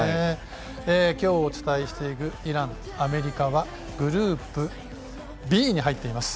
今日、お伝えしていくイラン、アメリカはグループＢに入っています。